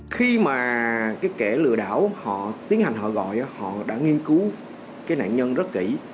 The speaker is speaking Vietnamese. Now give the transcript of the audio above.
khi mà cái kẻ lừa đảo họ tiến hành họ gọi họ đã nghiên cứu cái nạn nhân rất kỹ